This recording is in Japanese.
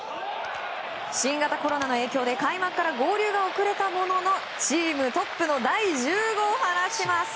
新型コロナの影響で開幕から合流が遅れたもののチームトップの第１０号。